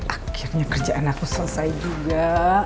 akhirnya kerjaan aku selesai juga